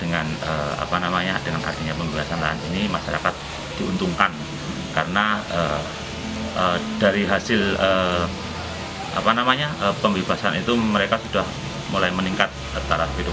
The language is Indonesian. kami berdua kami berdua kita berdua kita berdua kita berdua